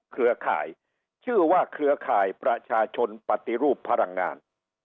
เครือข่ายชื่อว่าเครือข่ายประชาชนปฏิรูปพลังงาน